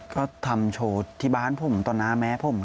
ก็ทำโชว์ที่บ้านผมต่อหน้าแม่ผม